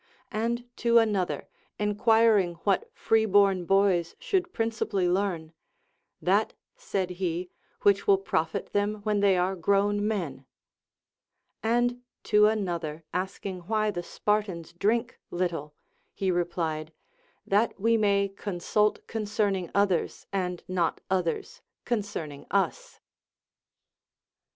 And to another enquiring what free born boys should prin cipally learn, That, said he, which will profit them Avhen they are grown men. And to another asking why the Spartans drink little, he replied. That we may consult con cerning others, and not others concerning us.